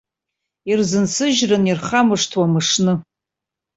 Ирзынсыжьрын ирхамышҭуа мышны.